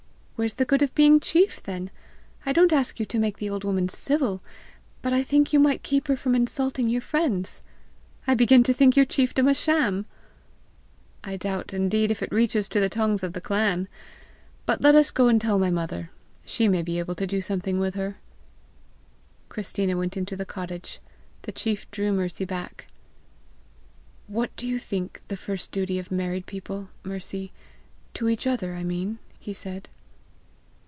"Where's the good of being chief then? I don't ask you to make the old woman civil, but I think you might keep her from insulting your friends! I begin to think your chiefdom a sham!" "I doubt indeed if it reaches to the tongues of the clan! But let us go and tell my mother. She may be able to do something with her!" Christina went into the cottage; the chief drew Mercy back. "What do you think the first duty of married people, Mercy to each other, I mean," he said.